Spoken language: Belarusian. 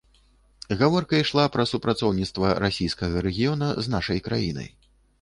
Гаворка ішла пра супрацоўніцтва расійскага рэгіёна з нашай краінай.